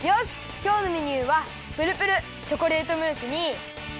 きょうのメニューはぷるぷるチョコレートムースにきまり！